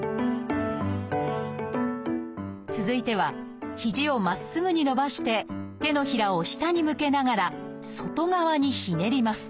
続いては肘をまっすぐに伸ばして手のひらを下に向けながら外側にひねります。